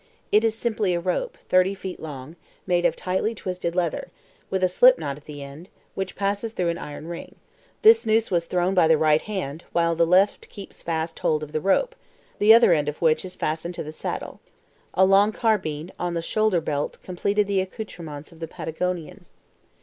It is simply a rope, thirty feet long, made of tightly twisted leather, with a slip knot at the end, which passes through an iron ring. This noose was thrown by the right hand, while the left keeps fast hold of the rope, the other end of which is fastened to the saddle. A long carbine, in the shoulder belt completed the accouterments of the Patagonian.